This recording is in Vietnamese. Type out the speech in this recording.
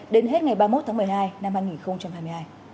đến hết ngày ba mươi một tháng một mươi hai năm hai nghìn hai mươi hai